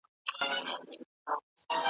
ځکه تاته په قسمت لیکلی اور دی .